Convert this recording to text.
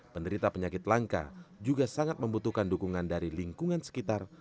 penderita penyakit langka juga sangat membutuhkan dukungan dari lingkungan sekitar